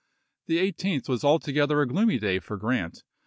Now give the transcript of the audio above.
The 18th was altogether a gloomy day for Grant.